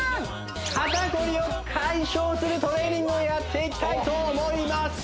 肩こりを解消するトレーニングをやっていきたいと思います